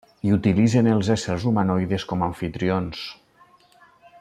I utilitzen els éssers humanoides com amfitrions.